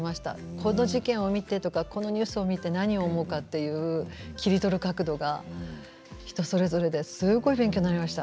この事件を見て、このニュースを見て、何を思うかという切り取る角度が人それぞれですごく勉強になりました。